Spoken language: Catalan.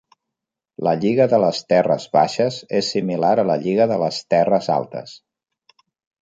La lliga de les terres baixes és similar a la lliga de les terres altes.